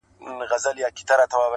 ته یې ګاږه زموږ لپاره خدای عادل دی,